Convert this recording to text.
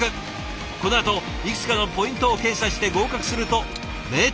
このあといくつかのポイントを検査して合格するとメーターを封印。